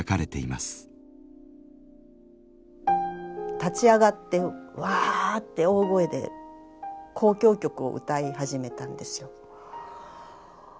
立ち上がってワーッて大声で交響曲を歌い始めたんですよ。